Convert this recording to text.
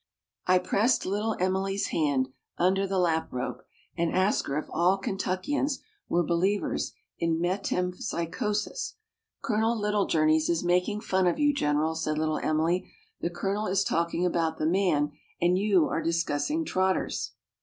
I pressed Little Emily's hand under the lap robe and asked her if all Kentuckians were believers in metempsychosis. "Colonel Littlejourneys is making fun of you, General," said Little Emily; "the Colonel is talking about the man, and you are discussing trotters!"